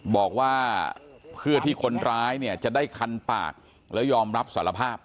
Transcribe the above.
บอกว่าเพื่อที่คนร้ายเนี่ยจะได้คันปากแล้วยอมรับสารภาพ